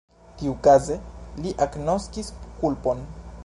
Tiukaze li agnoskis kulpon.